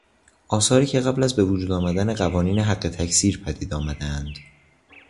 آثاری که قبل از بهوجود آمدن قوانین حق تکثیر پدید آمدهاند